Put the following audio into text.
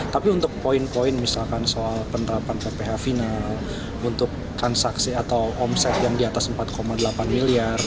tapi untuk poin poin misalkan soal penerapan pph final untuk transaksi atau omset yang di atas empat delapan miliar